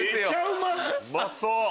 うまそう！